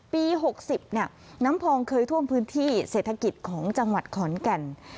ปี๖๐น้ำพองเคยท่วมพื้นที่เศรษฐกิจของจังหวัดขอนแก่น